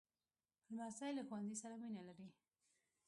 لمسی له ښوونځي سره مینه لري.